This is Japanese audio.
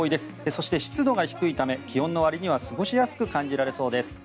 そして、湿度が低いため気温のわりには過ごしやすく感じられそうです。